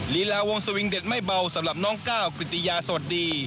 ลีลาวงสวิงเด็ดไม่เบาสำหรับน้องก้าวกิตติยาสวัสดี